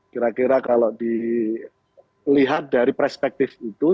kira kira kalau dilihat dari perspektif itu